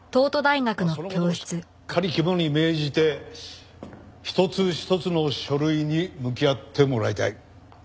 その事をしっかり肝に銘じて一つ一つの書類に向き合ってもらいたい。